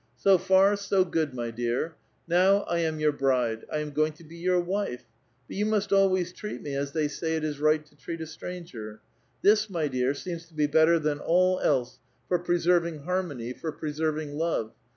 So far, so good, my dear ; now I am your lirido ; 1 am going to be your wife, but you must always treat me as th^y say it is right to treat a stranger : this, ray dear, si'mis to l)e better than all else for preserving har mony, for preserving love.